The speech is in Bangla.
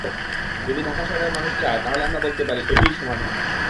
যদি ঢাকা শহরের মানুষ চায় তাহলে আমরা বলতে পারি এটিই সমাধান।